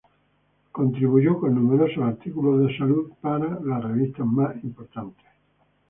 Contribuyó en numerosos artículos de salud para las revistas más importantes.